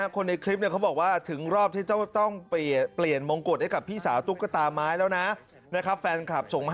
พี่สาวจะเห็นเลขของท่านนะครับ